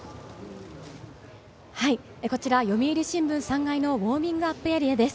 こちら読売新聞３階のウオーミングアップエリアです。